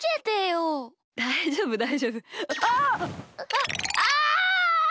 あっあっ！